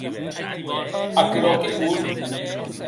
Aquerò qu’ei bon.